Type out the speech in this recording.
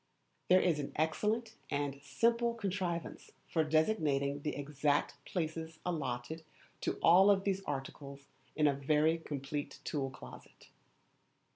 There is an excellent and simple contrivance for designating the exact places allotted to all these articles in a very complete tool closet.